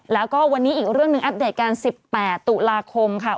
แล้วก็วันนี้อีกเรื่องหนึ่งอัปเดตกัน๑๘ตุลาคมค่ะ